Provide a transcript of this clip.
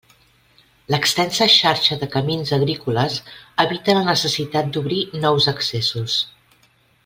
L'extensa xarxa de camins agrícoles evita la necessitat d'obrir nous accessos.